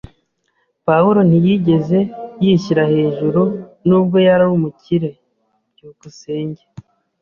Pawulo ntiyigeze yishyira hejuru nubwo yari umukire. byukusenge